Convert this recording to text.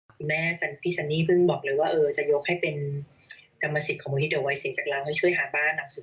พี่แม่พี่สันนี่เพิ่งบอกแล้วงว่าจะยกให้เป็นกรรมสิทธิ์ของบุคคลอีศพลีกว่าอย่างไหน